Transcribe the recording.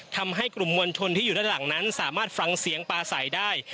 ทำให้กลุ่มมวลชนที่อยู่ด้านหลังนั้นสามารถฟังเสียงปลาใสได้